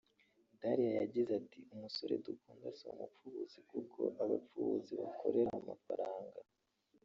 Dariya yagize ati ”Umusore dukundana si umupfubuzi kuko abapfubuzi bakorera amafaranga